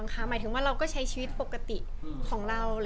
หมายถึงว่าเราก็ใช้ชีวิตปกติของเรา